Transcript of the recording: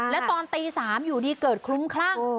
แล้วตอนตี๓อยู่ดีเกิดคลุ้มคลั่ง